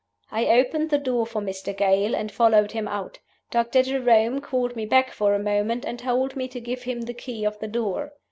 I opened the door for Mr. Gale, and followed him out. Doctor Jerome called me back for a moment, and told me to give him the key of the door.